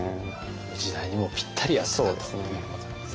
時代にもぴったり合ってたということなんですね。